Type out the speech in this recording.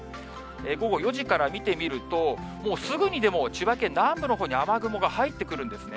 午後４時から見てみると、もうすぐにでも、千葉県南部のほうに雨雲が入ってくるんですね。